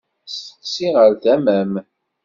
Steqsi ɣer tama-m.